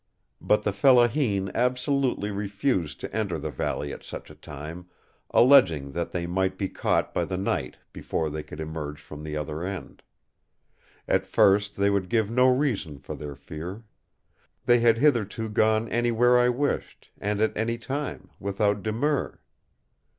But the fellaheen absolutely refused to enter the valley at such a time, alleging that they might be caught by the night before they could emerge from the other end. At first they would give no reason for their fear. They had hitherto gone anywhere I wished, and at any time, without demur.